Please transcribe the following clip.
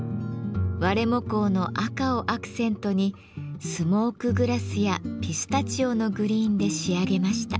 吾亦紅の赤をアクセントにスモークグラスやピスタチオのグリーンで仕上げました。